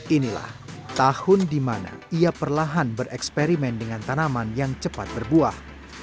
inilah tahun di mana ia perlahan bereksperimen dengan tanaman yang cepat berbuah